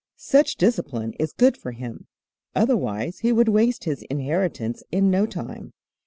Such discipline is good for him, otherwise he would waste his inheritance in no time.